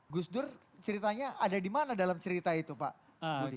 gus dur ceritanya ada di mana dalam cerita itu pak budi